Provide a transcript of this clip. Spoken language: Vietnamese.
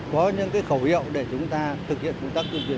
có những khẩu hiệu để chúng ta thực hiện công tác tuyên truyền